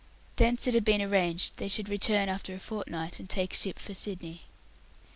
Thence it had been arranged they should return after a fortnight, and take ship for Sydney.